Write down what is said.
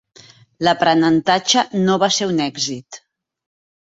L'aprenentatge no va ser un èxit.